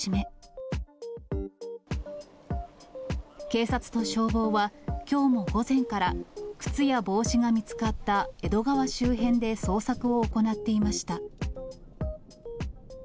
警察と消防は、きょうも午前から、靴や帽子が見つかった江戸川周辺で捜索を行っていました。